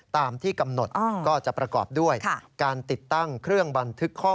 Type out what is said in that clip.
ตามที่กำหนดก็จะประกอบด้วยการติดตั้งเครื่องบันทึกข้อ